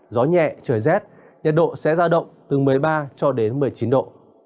gió nhẹ trời rét nhiệt độ sẽ ra động từ một mươi ba cho đến một mươi chín độ